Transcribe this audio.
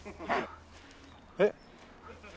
えっ？